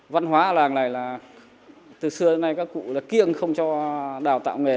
văn hóa ở làng này là từ xưa đến nay các cụ là kiêng không cho đào tạo nghề